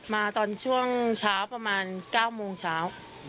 มาตอนช่วงเช้าประมาณ๙โมงเช้า